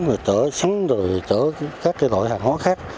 rồi chở sẵn rồi chở các loại hàng hóa khác